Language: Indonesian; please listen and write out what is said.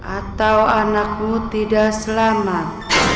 atau anakmu tidak selamat